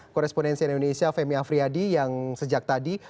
korespondensi indonesia femi afriyadi yang sejak tadi